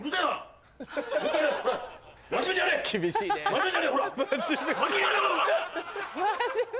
真面目。